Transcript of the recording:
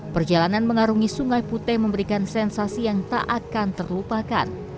perjalanan mengarungi sungai putih memberikan sensasi yang tak akan terlupakan